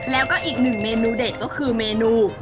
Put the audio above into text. แล้วก็อีกหนึ่งเมนูเด็ดก็คือเมนู